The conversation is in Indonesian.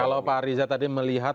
kalau pak riza tadi melihat